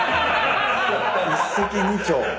一石二鳥。